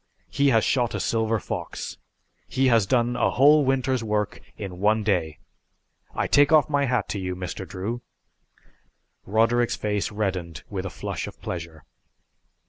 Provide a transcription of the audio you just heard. He has shot a silver fox. He has done a whole winter's work in one day. I take off my hat to you, Mr. Drew!" Roderick's face reddened with a flush of pleasure.